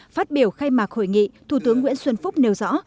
phát biểu khai mạc hội nghị thủ tướng nguyễn xuân phúc nêu rõ